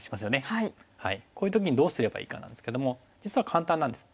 こういう時にどうすればいいかなんですけども実は簡単なんです。